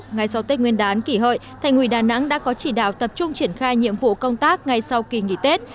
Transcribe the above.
ngay sau tết nguyên đán kỷ hợi thành ủy đà nẵng đã có chỉ đạo tập trung triển khai nhiệm vụ công tác ngay sau kỳ nghỉ tết